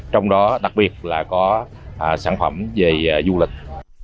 trong đó đặc biệt là có sản phẩm về du lịch